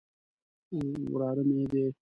وراره مې دی.